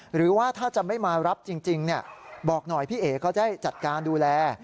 หรือว่าถ้าจะไม่มารับจริงบอกหน่อยพี่เอ๋เขาจะจัดการดูแล